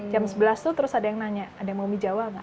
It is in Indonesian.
jam sebelas tuh terus ada yang nanya ada yang mau mie jawa nggak